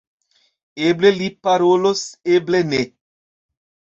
Eble li pardonos, eble ne.